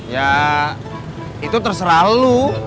ya itu terserah lu